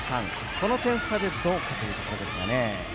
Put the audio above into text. この点差でどうかというところ。